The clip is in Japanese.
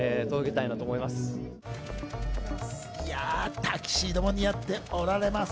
タキシードも似合っておられます。